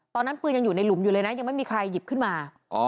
ตอนนั้นปืนยังอยู่ในหลุมอยู่เลยนะยังไม่มีใครหยิบขึ้นมา